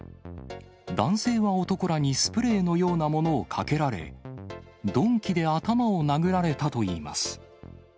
男性は男らにスプレーのようなものをかけられ、鈍器で頭を殴られたといいます。